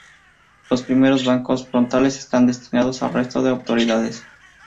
Los primeros bancos frontales están destinados al resto de autoridades.